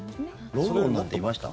ロンロンなんていました？